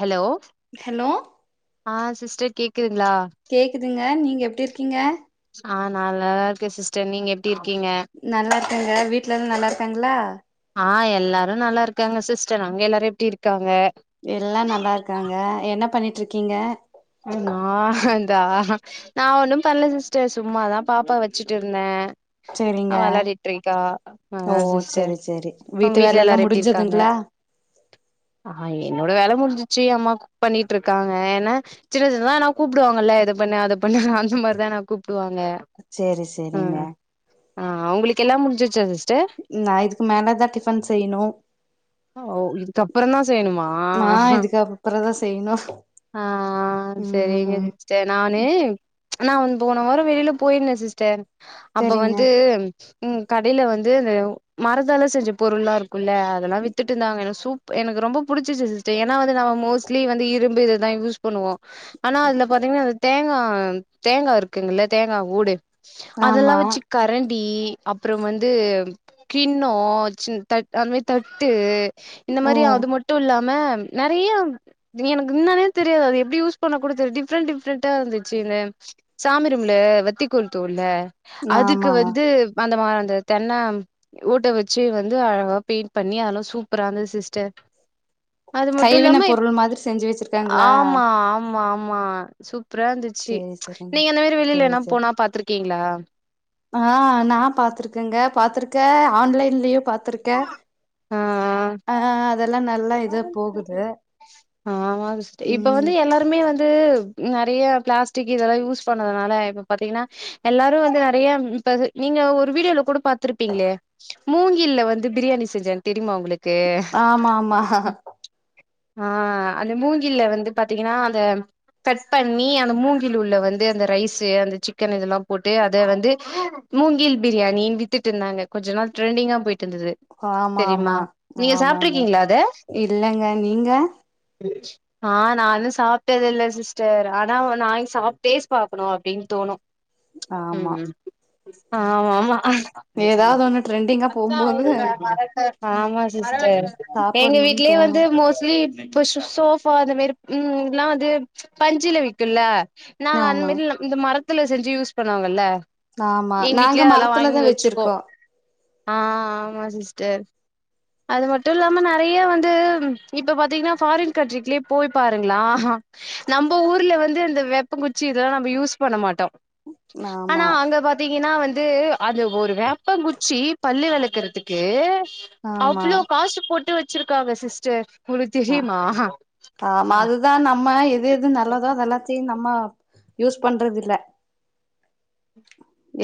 hello hello ஆ சீஸ் sister கேக் இருங்களா ஆ நீங்க எப்படி இருக்கீங்க ஆ நல்லா இருக்கே சிஸ்டர் நீங்க எப் இருக்கீங்க நல்லா இருக்கங்க வீட்ல எல்லா நல்லா இருக்காங்களா ஆ எல்லாரு நல்லா இருக்காங்க சிஸ்டர் நா அங்க எல்லாரு எப்டிருக்காங்க எல்லா நல்லாருக்காங்க என்ன பண்ணிட்டுருக்கீங்க நா இந்த ஆ நா ஒன்னு பண்ல சிஸ்டர் சும்மாதா பாப்பா வச்சுட்டு இருந்தே சேரிங்க அவ வெளாடிட்டு இருக்கா ஓ ஆ சிஸ்டர் சேரி சேரி உங்க வீட்டு வீட்ல வேல எல்லா எல்லாரு எப்டி இருக்காங்க முடிஞ்சதுங்களா நான் என்னோட வேலை முடிஞ்சிச்சு அம்மா குக் பண்ணிட்டு இருக்காங்க ஏன்னா சின்ன சின்னதா ஆனா கூப்பிடுவாங்கல்ல இத பண்ணு அத பண்ணு அந்த மாதிரிதான் கூப் சொல்லுவாங்க சேரி சேரிங்க ம்ஹ அவுங்களுக்கு எல்லா முடிஞ் ச சரிஸ் நா இதுக்கு மேலதான் டிஃபன் செய்யணு இதுக்கப்புறம் தான் செய்யணுமா நா இதுக்கு அப்புறதா செய்யணு ஆஹ் சரிங்க ம் சேர் நானு நா போன வாரம் வெளியில போயிருந்தேன் சிஸ்டர் அப்ப சேரிங்க வந்து உம் கடையில வந்து இந்த மரத்தால செஞ்ச பொருள்ல்லாருக்கும்ல்ல அதெல்லாம் வி துட்டிந்தாங்க எனக் சூப் எனக்கு ரொம்ப புடிச்சிசு சிஸ்டே ஏனா வந்து நம்ம மோஸ்ட்லி வந்து இரும்பு இததா யூஸ் பண்ணுவோ ஆனா அத்ல பாத்தீங்கனா எனக்கு தே ஆம் தேங்கா இருக்குங்கல்லே தேங்கா ஓடு அதெல்லா ஆமா வெச்சு கரண்ட் வீ அப்புறோ வந்து கின்னோ சின் தட் அந்தமாறி தட் தட்டு இந்த ஓ மாறி அது மட்டும் இல்லா மேம் நெறைய எனக்கு என்னானே தெரியாது அது எப்படி யூஸ் பண்ண கூட தெரிய டிஃப்ரென் டிஃப்ரெண்டா இருந்துச்சு இந்த சாமிரூம்ல வத்தி கொளுத்துவோல அதுக்கு ஆமா வந்து அந்த மா அந்த தென்ன ஊட்ட வச்சு வந்து அழகா பெயின் பண்ணியாலும் சூப்பரா இருந்தது சிஸ்டர் அது மட்டு கைவின இல்லாம பொருளு மாதிரி செஞ்சு வச்சிருக்காங்களா ஆமா ஆமா ஆமா சூப்பரா இருந்துச்சு ச்சு சேரி சேரிங்க நீங்க இந்த மாதிரி வெளியில என்ன போனா பாத்துருக் கேங்களா ஆஹ் நான் பாத்துருக்கேங்க பாத்துருக்கேன் ஆன்லைன்லயும் பாத் பாத்திருக்க ஆ ஆஹ் அதெல்லா நல்லா இது போகுது உம் த்து நெறைய பிளாஸ்டிக் இதெல்லா யூஸ் பண்றதான்னால இப்பாத்திங்கன எல்லாரும் வந்து நெறைய இப்ப நீங்க ஒரு வீடியோல கூட பாத்திருப்பேங்களே மூங்கில்ல வந்து து பிரியாணி செஞ்சேன் தெரியுமா உங்களுக் ஆமா ஆமா ஆஹ் அந்த மூங்கில்ல வந்து பாத்தீங்கன்னா அந்த கட் பண்ணி அந்த மூங்கில் உள்ள வந்து அந்த ரைஸ்ஸு அந்த சிக்கன் இதெல்லாம் போட்டு அத வந்து மூங்கில் பிரியாணின்னு வித்துட்டு இருந்தாங்க கொஞ்ச நாள் ட்ரெண்டிங்கா போயிட்டு இருந்தது ஆமா தெரியுமா ஆமா நீங்க ஆமாங்க சாப்ட்ருக்கீங்களா அத இல்லங்க நீங்க ஆஹ் நானும் சாப்பிட்டதில்ல சிஸ்டர் ஆனா ஒருநாள் சாப்ட் டேஸ்ட் பாக்கணும் அப்படின்னு தோணும் ஆமா ஆ் ஆமா ஆமா ஏதாவது ஒண்ணு ட்ரெண்டிங்கா போகும்போது ஆமா சிஸ்டர் எங்க சாப்படணுனு வீட்லயே தோணு வந்து மோஸ்ட்லி இ புஷ் சோஃபா அந்த மாறி ம்ம் நா வந்து ச்சு பஞ்சில விக்கும்ல நான் ஆமா அந்தமாரியில்லம் இந்த மரத் த்துல செஞ்சு யூஸ் பண்ணுவாங்கல்ல ஆமா எங்க நாங்க வீட்லயே அதெல்லா வாங்கி மரத்துலதா வந்து வச்சிருக்கோம் வச்சிருக்கோ ஆஹ் ஆமா சிஸ் [unintelligible] அது மட்டும் இல்லாம நெறைய வந்து இப்ப பாத்தீங்கன்னா ஃபாரின் கண்ட்ரிக்குலயே போய் பாருங்களா ஆஹா நம்ம ஊர்ல வந்து அந்த வேப்பங்குச்சி இதெல்லா நம்ம யூஸ் பண்ண மாட்டோம் ஆமா ஆனா அங்க பாத்தீங்கன்னா வந் யிது அது ஒரு வேப்பங்குச்சி பல்லு விலக்குறதுக்கு ஆமா அவ்ளோ காசு போட்டு வச் வச்சிருக்காங்க சிஸ்டர் உங்களுக்கு ஆஹ் தெரியுமா ஆமா அதுதான் ஆமாமா நம்ம எது எது நல்லதோ அதெல்லா சேரி நம்ம யூஸ் பண்றது இல்ல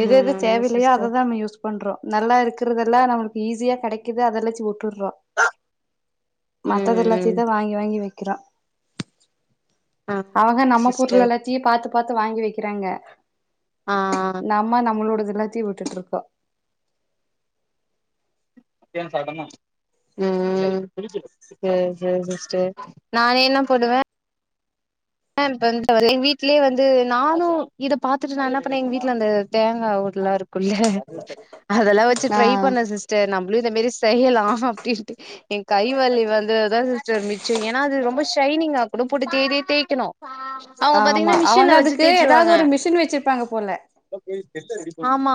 எது எது தேவயில்லையோ சிஸ்டர் அததா நம் யூஸ் பண்றோ நல்லா இருக்கறதெல்லா நம்மக்கு ஈஸியா கிடைக்குது அத வெச்சு ம் [unintelligible] ம் கட்சித வாங்கி வாங்கி வாங்கி வெக்கிற ஆ அவங்க நம்ம பொருள சிஸ்டர் எல்லாத்தையு பாத்து பாத்து வாங்கி வைக்கிறாங்க ஆ நாம நம்மளோட எல்லாத்தையு விட்டுட்டு இருப்பா ம் செர் செரி சிஸ்டர் நா என்ன போடுவே ஆ இப்ப வந்து எங்க வீட்லயே வந்து நானு இத பாத்துட்டு நா என்ன பண்ணேன் எங்க வீட்டுல அந்த தேங்கா ஓடு எல்லா இருக்கு உள்ள அதெல்லா வச்சு ஆ ட்ரை பண்ண சிஸ்டர் ந உளிதமீறி செய்யலா அப்டின்ட்டு எ கைவலி வந்தது தா சிஸ்டர் மிச்சம் ஏனா அது ரொம்ப ஷைனிங் அப்பறோ போட்டு தே தே க்கணு ஆமா அவங்க அதுக்கு தேய்ச்சிருவாங்க ஏதாவது ஒரு மிஷின் வச்சிருப்பாங்க போல ஆமா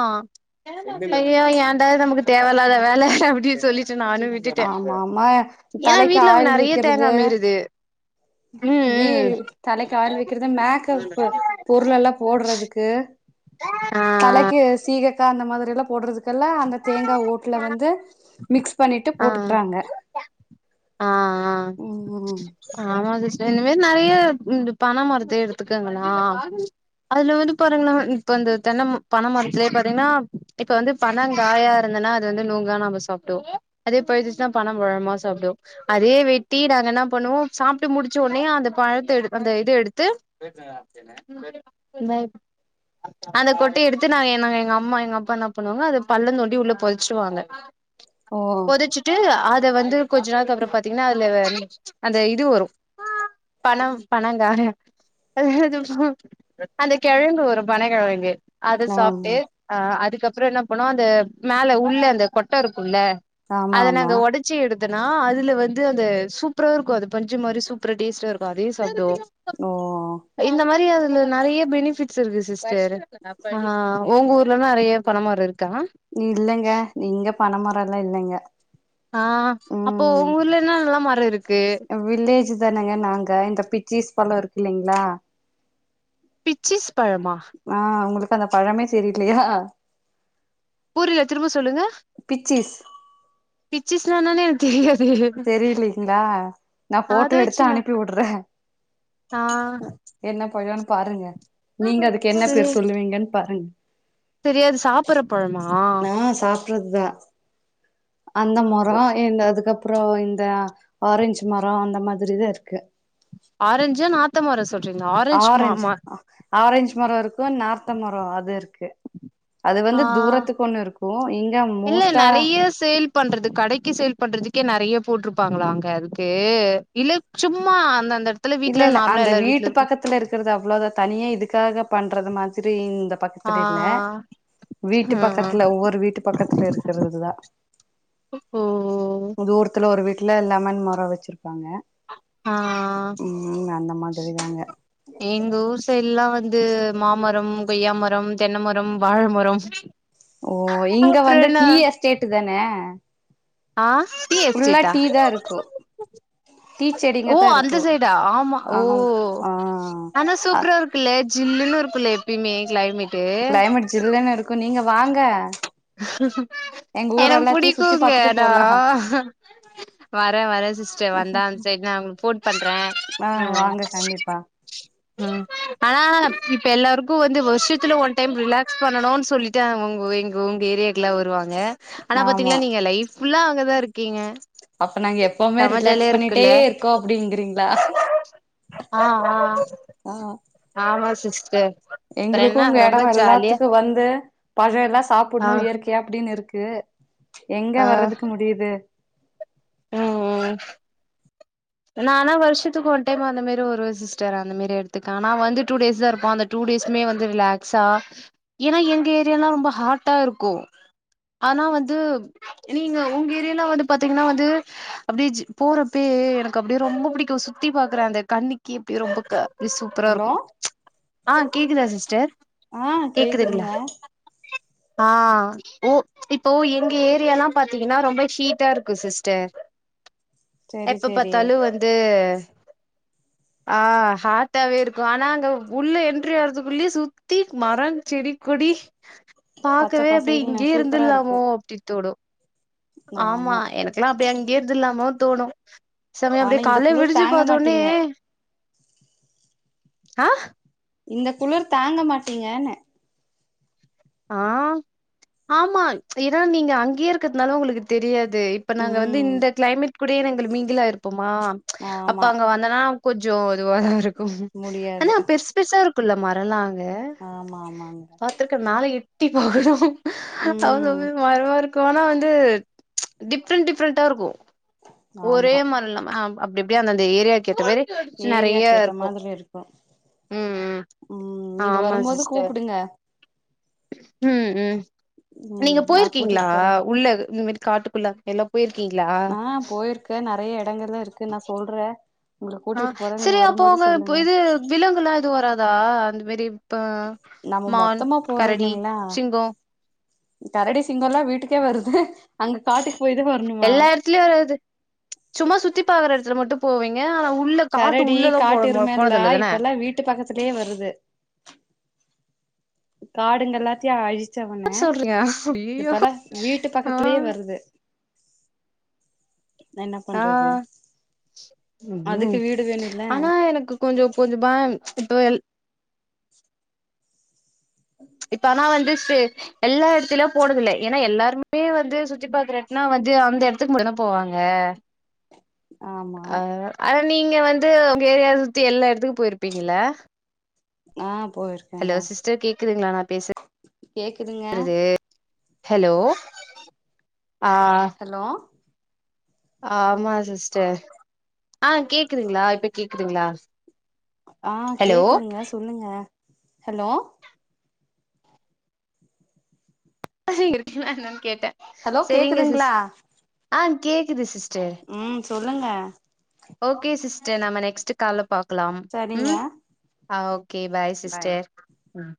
ஐயோ ஏண்டா இது நமக்கு தேவயில்லாத வேலை அப்டி சொல்லி நானு விட்டுட்ட ஆமா ஆமா ஏன்னா தலைக்கு வீட்ல ஆயில் நறைய வைக்கிறது தேங்கா மீறுது ம் வீ தலைக்கு ஆயில் ம் வெக்கறது மேக்கப் பொருலெல்லா போடறதுக்கு ஆ தலைக்கு சீக க அந்த மாதிரில்லா போடுறது ல்லா அந்த தேங்கா ஓட்டுல வந்து மிக்ஸ் பண்ணிட்டு ஆ போட்டுக்கறாங்க ஆ ஆ ஆமா சிஸ் இந்த மாரி நறைய இந்த பன மரத்த எடுத்துக்கங்கன அதுல வந்து பாருங்கன இப்ப இந்த தென்ன பனை மரத்திலேயே பாத்தீங்கன்னா இப்ப வந்து பணங்காயா இருந்தனா அத வந்து நொங்கா நம்ம சாப்டுவோ அதே போயிடுச்சுன்னா பணம் பழம்மா சாப்டுவோ அதே வெட்டி நாங்க என்ன பண்ணுவோ சாப்ட்டு முடிச்ச ஒடனே அந்த பழத்த எடு அந்த இத எடுத்து ஓ புதச்சிட்டு அ அத வந்து கொஞ்ச நாள் க பாத்தீங்கன்னா அதுல அந்த இது வரு பணங் பணங்காயா அந்த கெழங்கு வரு பனக்கெழங்கு அத ஆமா சாப்ட்டு அ அதுக்கப் அப்றோ என்ன பண்ணுவோ அந்த மேல உள்ள அந்த கொட்ட குள்ள ஆமா அத ஆமா நாங்க ஒடச்சு எடுத் த்னா அது இதுல வந்து அது சூப்பரா இருக்கு அது பஞ்சு மாரி சூப்பரா டேஸ்ட்டா இருக்கு அதையு சாப்டுவோ ஓ இந்த மாரி இதுல நெறயா பெனிபிட்ஸ் இருக்கு சிஸ்டர் உங்க ஊர் இதுல நெறயா பனமரோ இருக்கு இல்லைங்க இங்க பனமரொல்லா இல்லைங்க ஆஹ் அப்போ உங்க ஊர்ல என்ன நல்லா ம ர இருக்கு வில்லேஜ் இதானங்க நாங்க இந்த பிச்சீஸ் பழம் இருக்கு இல்லைங்ளா பிச்சீஸ் பழமா உங்களுக்கு அந்த பழமே சரியில்லையா புரியல திரும்ப சொல்லுங்க பிச்சீஸ் பிச்சீஸ்னா என்னனே தெரியாது தெரியில்லிங்களா நா அத போட்டோ எடுத்து வச்சுனா அனுப்பி வுடற ஆ என்ன பழோனு பாருங்க நீங்க அதுக்கு என்ன பேரு சொல்லுவீங்கன்னு பாருங்க தெரியாது சாப்பர்ற பழமா ப்றதா அந்த முறோ என் அதுகப் அப்புறோ இந்த ஆரஞ்சு மரோ அந்த மாதிரிதா இருக்கு ஆரஞ்சு நாத்தமர சொல் சொல்றீங்களா ஆரஞ்ச் ஆரஞ்ச் மரோ இருக்கு நார்த் த மரோ அது இருக்கு அது வந்து ஆஹ் தூரத்துக்கு ஒண்ணு இருக்கு இங்க இல்ல மோஸ்ட்டா நெறயா சேல் பண்றது கடைக்கு சேல் பண்றது கே நெறயா போட்டிருப்பாங்ளா அங்க அதுக்கு இல்ல சும்மா அந்த அந்த இடத்துல இல்ல வீட்ல இல்ல நார்மலா அந்த எல்லார் வீட்ல வீட்டு இருக்கும் பக்கத்துல இருக்கிறது அவ்வளவுதா தனியா இதுக்காக பண்றது மா திரி இன் இந்த ஆ பக்கத்து வீட்ல வீட்டு ம் பக்கத்தில ஒவ்வொரு வீட்டு பக்கத்தில‌ இருக்கிறததா ஓ தூரத்துல ஒரு வீட்ல லெமன் மரோ வெச்சிருப்பாங்க ஆஹ் அந்த மாதிரி தாங்க எங்க ஊரு சைடு ல்லா வந்து மாமரம் கொய்யாமரம் தென்னமரம் வாழமரம் ஓ இங்க வந்து டீ எஸ்டேட் தானே ஆஹ் டீ ஃபுல்லா எஸ்டேடா டீ தா இருக்கு டீ செடிங்க ஓ தா அந்த இருக்கு சைடா ஆமா ஓ ஆஹ ஆனா ஆ சூப்பரா இருக்குல ஜில்லுனு இருக்குல எப்பயுமே கிளைமேட் கிளைமேட் ஜில்லன்னு இருக்கு நீங்க வாங்க எங்க [inaudible] ஊர் எனக்கு எல்லாத்தையு சுத்தி புடிக்குங்க பாத்துட்டு நா போலா வர வர சிஸ்டர் வந்தா அந்த சைடு ந உங்களுக்கு ஃபோன் பண்ற ஆ உஹம் வாங்க கண்டிப்பா ம் ஆனா இப்ப எல்லாருக் வந்து வருஷத்துல ஒன் டைம் ரிலாக்ஸ் பண்ணணும்னு சொல்லிட்டுங்க உங்க ஏரியா வருவாங்க ஆனா ஆமா பாத்தீங்களன்னா நீங்க லைஃப் ஃபுல்லா அவங்கதா இருக்கு அப்ப நாங்க எப்பவுமே ஜாலியா ரிலாக்ஸ் பண்ணிட்டே இருக்குல்ல இருக்கோ அப்படிங்கிறீங்களா ஆ ஆ ஆஹ ஆமா சிஸ்டர் அப்றோ எங்களுக்கு என்ன உங்க ரொம்ப இடமா ஜாலியா எல்லாத்துக்கு வந்து பழம் எல்லாம் ஆ சாப்பிடணு இயற்கையா அப்படின்னு இருக்கு ட்டு எங்க ஆ வர்றதுக்கு முடியுது ம் ம் நா ஆனா வருஷத்துக்கு ஒரு டைம் அந்த மேரி வருவ சிஸ்டர் அந்த மேரி எடத்துக்கு ஆனா வந்தா டூ டேஸ் தா இருப்ப அந்த டூ டேஸ்மே வந்து ரிலாக்ஸா ஏன்னா எங்க ஏரியாலா ரொம்ப ஹாட்டா இருக்கு ஆனா வந்து நீங்க உங்க ஏரியலா வந்து பாத்தீங்கன்னா வந்து அப்படியே சி போறப்பயே எனக்கு அப்படியே ரொம்ப பிடிக்கு சுத்தி பாக்குற அந்த கண்ணுக்கே அப்படி ரொம்ப இ சூப்பரா ஹலோ இருக்கு ஆஹ் கேக்குதா சிஸ்டர் ஆஹ் கேக்குதுங்க ஆஹ் ஓ இப்போ எங்க ஏரியல்லா பாத்தீங்கன்னா ரொம்ப ஹீட்டா இருக்கு சிஸ்டர் செரி எப்ப செரி பாத்தாலு வந்து ஆஹ் ஹாட்டாவே இருக்கு ஆனா அங்க உள்ள என்ட்ரி ஆகுறதுக்குள்ளயே சுத்தி மரம் செடி கொடி பச்ச பாக்கவே அப்படியே பசேல்னு இங்கேயே சூப்பரா இருக்கு இருந்துடுலாமோ அப்படி தோணு ஆமா எனக்கெல்லா அப்படி அங்கயே இருந்துடலாமோ தோணு சமயம் ஆனா அப்படியே இந்த கால குளிர் விடிஞ்சு தாங்க பாத்தோனே மாட்டீங்க ஆஹ இந்த குளிர் தாங்க மாட்டீங்கன்ன ஆஹ் ஆமா ஏன்னா நீங்க அங்கயே இருக்கிறதுனால உங்களுக்கு தெரியாது து இப்ப நாங்க வந்து ம் இந்த கிளைமேட் கூட நாங்க மிங்கிலாகிருப்போமா அப்ப ஆமா நா அங்க வந்தனா கொஞ்சோ இதுவாதா இருக்கு முடியாது அனா பெருசு பெருசா குள்ள மறலாங் ஆமா ஆமாங்க ஆல எட்டி போகனு ம் [unintelligible] இருக்கூ ஆனா வந்து டிஃப்ரெண்ட் டிஃப்ரெண்டா இருக்கூ ஒரே ஆமா மாரல்லம் ஆம் அப்டெப்டி அந்த அந்த ஏரியா கேத்த மாரி நெறையா ஏரியாக்கு ஏத்த இருக்கூ மாதிரி இருக்கு உம் உம் ம் நீங்க ஆமா வரும்போது சிஸ்டர் கூப்புடுங்க உம் உம் ம் நீங்க நா போயிருக்கீங்ளா கூட்டிட்டு போறே உள்ள இது இந்த மேரி காட்டுக்குள்ள எல்லோப் போய்ர்கீங்ளா க நறையட் டங்கறதா இருக்குன் நா சொல்றே உங்கள ஆஹ் கூட்டிட்டு போறே நீங்க சரி அப்போ வரும்போது அவங்க சொல்லுங்க இது விலங்குல்லா எதூ வராத் தா அந்த மெரிப் ப்ப நம்ம மான் மொத்தமா போறோ கரடி இல்லைங்களா சிங்கம் கரடி சிங்கோலா வீட்டுக்கே வருது அங்க காட்டுக் எல்லா எடத்திலயு வராது சும்மா சுத்தி பாக்குற எடத் திற மட்டூ போவீங்க ஆனா உ கரடி காட்டெருமே எல்லா இப்பெல்லா வீட்டு பக்கத்லே வருது காடுங்க எல்லாத்தையு அழி ச்சவனே சொல்றீங்க ஐயயோ இப்பதா வீட்டு ஆ பக்கத்லே வருது என்ன ஆ பண்றது உம் அதுக்கு ம் வீடு வேணுல்ல ஆனா எனக்கு கொஞ்சோ கொஞ்சோ பயம் இப்போ எல் இப் ஆனா வந்து ஸ்ரே எல்லா எடத்திலயு போடதில்லே ஏன்னா எல்லாருமே வந்து சுத்தி பாக்றட்னா வந்து அந்த எடத்துக்கு மட்டூ தா போவாங்க ஆமா ஆ அட் நீங்க வந்து உங்க ஏரியாவ் சுத்தி எல்லா எடத்துக்கூ போயிருப்பீங்கள ஆ ப் ஹலோ சிஸ்டர் கேக்குதுங்களா நா பேசு கேக்குதுங்க றது ஹலோ ஆ ஹலோ ஆமா சிஸ்டர் ஆ கேக்குதுங்ளா இப்ப கேக்குதுங்ளா ஆஹ் கேக்குதுங்க சொல்லுங்க ஹலோ இருக்கீங்களா என்னன் கேட்டே ஹலோ கேக்குதுங்ளா கே க்குது சிஸ்டர் ஓகே சிஸ்டர் நம்ம நெக்ஸ்ட்டு கால்ல பா க்கலாம் சரிங்க அ, ஓகே பாய் சிஸ்டர் ம்